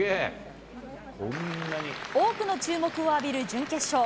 多くの注目を浴びる準決勝。